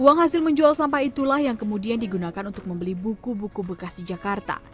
uang hasil menjual sampah itulah yang kemudian digunakan untuk membeli buku buku bekas di jakarta